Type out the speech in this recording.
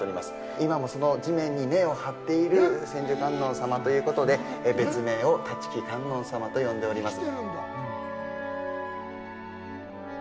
今もその地面に根を張っている千手観音様ということで、別名を立木観音様と呼んでおります。